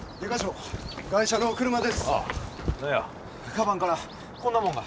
かばんからこんなもんが。